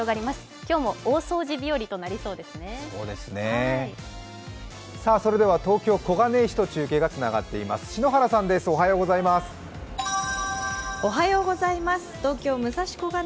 今日も大掃除日和となりそうですね。